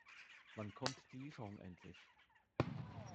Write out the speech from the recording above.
Wann kommt die Lieferung endlich?